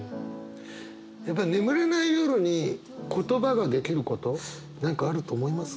やっぱり眠れない夜に言葉ができること何かあると思います？